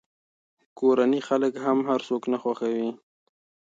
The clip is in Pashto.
کورني خلک هم هر څوک نه خوښوي.